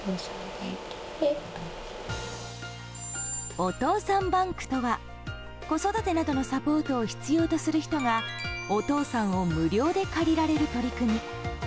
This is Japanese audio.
お父さんバンクとは子育てなどのサポートを必要とする人が、お父さんを無料で借りられる取り組み。